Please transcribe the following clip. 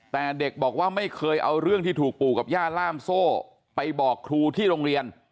แต่เด็กบอกว่าไม่เคยเอาเรื่องที่ถูกปู่กับย่าล่ามโซ่ไปบอกครูที่โรงเรียน